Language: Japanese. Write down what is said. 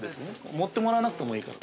持ってもらわなくてもいいから。